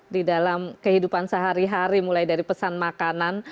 di dalam kehidupan sehari hari mulai dari pesan makanan